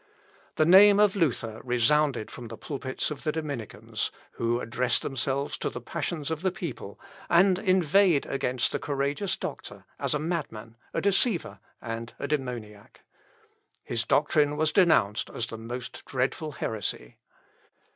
The name of Luther resounded from the pulpits of the Dominicans, who addressed themselves to the passions of the people, and inveighed against the courageous doctor, as a madman, a deceiver, and a demoniac. His doctrine was denounced as the most dreadful heresy.